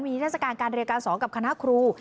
มีเทศกาลการเรียนการสอนกับคณะครู